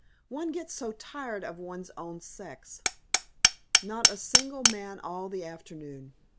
One gets so tired of one's own sex! Not a single man all the afternoon.